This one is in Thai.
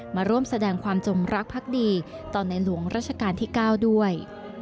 มาร่วมแสดงความจงรักพักดีต่อในหลวงราชการที่๙ด้วย